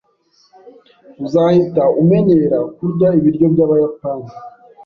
Uzahita umenyera kurya ibiryo byabayapani